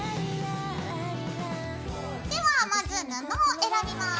ではまず布を選びます。